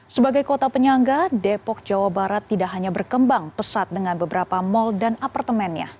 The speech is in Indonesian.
sebagai kota penyangga depok jawa barat tidak hanya berkembang pesat dengan beberapa mal dan apartemennya